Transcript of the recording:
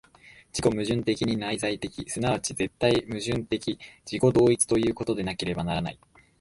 自己矛盾的に内在的、即ち絶対矛盾的自己同一ということでなければならない。